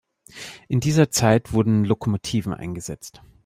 In dieser Zeit wurden Lokomotiven eingesetzt.